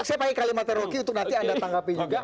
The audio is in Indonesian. saya pakai kalimatnya rocky untuk nanti anda tanggapi juga